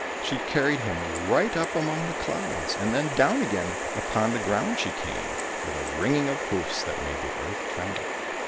She carried him right up among the clouds, and then down again upon the ground she came, with a ringing of hoofs that made the earth tremble.